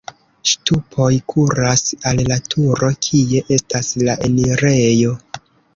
Ŝtupoj kuras al la turo, kie estas la enirejo.